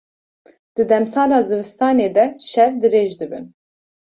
Di demsala zivistanê de, şev dirêj dibin.